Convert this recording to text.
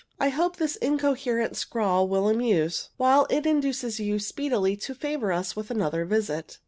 I hope this incoherent scrawl will amuse, while it induces you speedily to favor us with another visit.